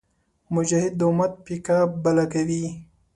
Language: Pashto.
مجاهد د امت پیکه بله کوي.